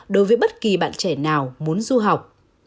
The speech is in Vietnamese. đối với bất kỳ bạn trẻ nào muốn du học